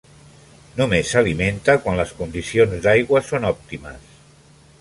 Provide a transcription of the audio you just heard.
Només s'alimenta quan les condicions d'aigua són òptimes.